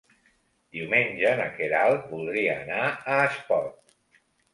Diumenge na Queralt voldria anar a Espot.